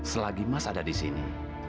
selagi mas ada disini